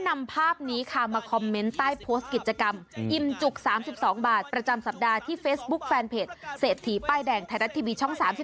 นำภาพนี้ค่ะมาคอมเมนต์ใต้โพสต์กิจกรรมอิ่มจุก๓๒บาทประจำสัปดาห์ที่เฟซบุ๊คแฟนเพจเศรษฐีป้ายแดงไทยรัฐทีวีช่อง๓๒